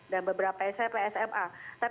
dan beberapa psma